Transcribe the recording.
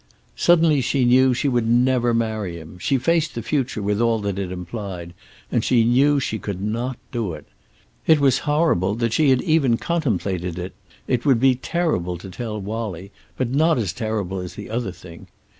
Suddenly she knew she would never marry him. She faced the future, with all that it implied, and she knew she could not do it. It was horrible that she had even contemplated it. It would be terrible to tell Wallie, but not as terrible as the other thing.